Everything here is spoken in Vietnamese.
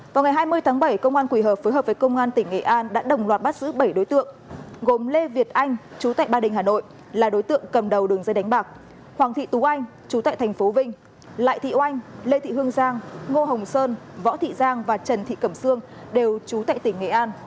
vào ngày hai mươi tháng bảy công an quỳ hợp phối hợp với công an tỉnh nghệ an đã đồng loạt bắt giữ bảy đối tượng gồm lê việt anh chú tại ba đình hà nội là đối tượng cầm đầu đường dây đánh bạc hoàng thị tú anh chú tại thành phố vinh lại thị oanh lê thị hương giang ngô hồng sơn võ thị giang và trần thị cẩm sương đều trú tại tỉnh nghệ an